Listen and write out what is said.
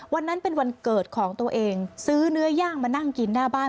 วันนั้นเป็นวันเกิดของตัวเองซื้อเนื้อย่างมานั่งกินหน้าบ้าน